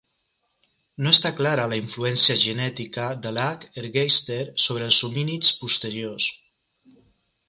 No està clara la influència genètica de l'H. ergaster sobre els homínids posteriors.